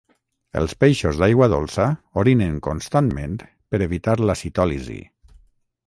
Els peixos d'aigua dolça orinen constantment per evitar la citòlisi.